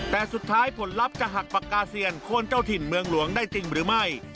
แต่สุดท้ายผลลัพธ์จะหักปากกาเซียนโคนเจ้าถิ่นเมืองหลวงได้จริงหรือไม่